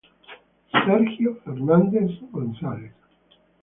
Sergio Fernández González